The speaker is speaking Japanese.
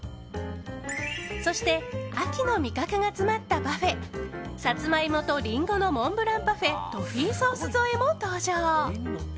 そして秋の味覚が詰まったパフェさつまいもと林檎のモンブランパフェトフィーソース添えも登場。